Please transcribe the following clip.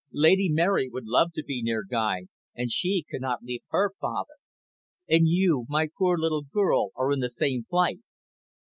"Lady Mary would love to be near Guy, and she cannot leave her father. And you, my poor little girl, are in the same plight."